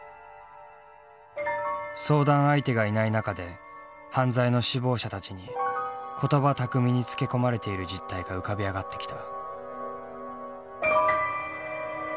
相談相手がいない中で犯罪の首謀者たちに言葉巧みにつけ込まれている実態が浮かび上がってきた。